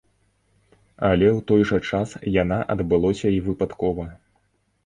Але ў той жа час яна адбылося і выпадкова.